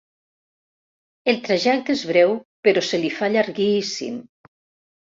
El trajecte és breu, però se li fa llarguíssim.